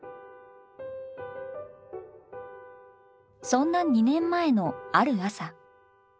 そんな２年前のある朝。